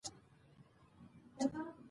نو د حقایقو او واقعاتو ثبت